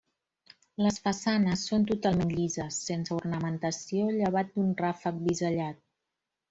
Les façanes són totalment llises, sense ornamentació llevat d'un ràfec bisellat.